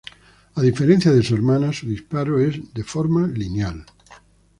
A diferencia de su hermana, su disparo es de forma lineal.